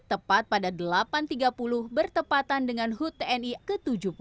tepat pada delapan tiga puluh bertepatan dengan hut tni ke tujuh puluh tujuh